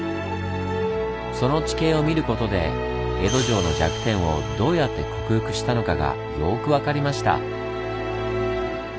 その地形を見ることで江戸城の弱点をどうやって克服したのかがよく分かりました。